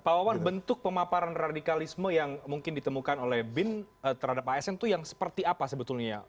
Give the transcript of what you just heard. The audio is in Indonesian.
pak wawan bentuk pemaparan radikalisme yang mungkin ditemukan oleh bin terhadap asn itu yang seperti apa sebetulnya